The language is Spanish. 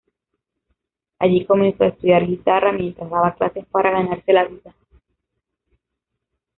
Allí comenzó a estudiar guitarra mientras daba clases para ganarse la vida.